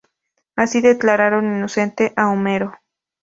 Así declararon inocente a homero.